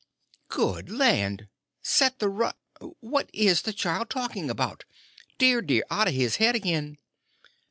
"Good land! Set the run—What is the child talking about! Dear, dear, out of his head again!"